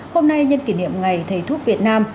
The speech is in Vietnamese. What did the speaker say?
hôm nay nhân kỷ niệm ngày thầy thuốc việt nam